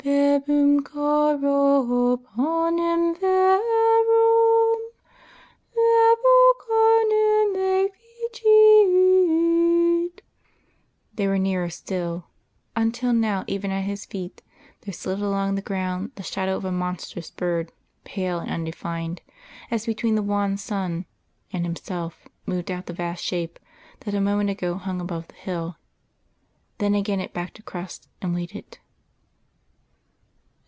_Verbum caro, panem verum Verbo carnem efficit .... They were nearer still, until now even at his feet there slid along the ground the shadow of a monstrous bird, pale and undefined, as between the wan sun and himself moved out the vast shape that a moment ago hung above the Hill.... Then again it backed across and waited